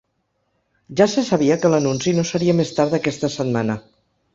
Ja se sabia que l’anunci no seria més tard d’aquesta setmana.